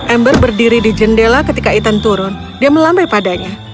ember berdiri di jendela ketika ethan turun dia melambai padanya